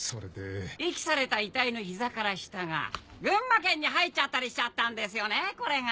遺棄された遺体のヒザから下が群馬県に入っちゃったりしちゃったんですよねこれが！